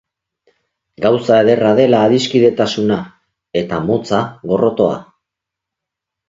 Gauza ederra dela adiskidetasuna, eta motza gorrotoa.